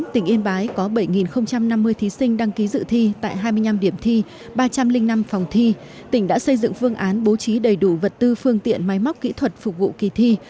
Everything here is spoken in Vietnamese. tỉnh yên bái có bảy năm mươi thí sinh đăng ký dự thi tại hai mươi năm điểm thi ba trăm linh năm phòng thi